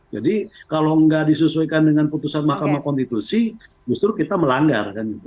justru kita melanggar